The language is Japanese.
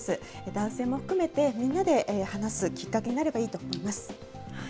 男性も含めて、みんなで話すきっかけになればいいと思います。